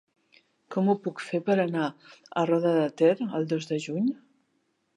Com ho puc fer per anar a Roda de Ter el dos de juny?